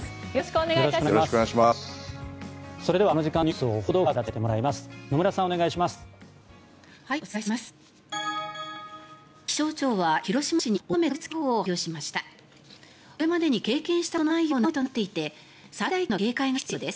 お伝えします。